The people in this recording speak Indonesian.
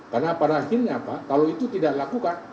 karena pada akhirnya pak kalau itu tidak dilakukan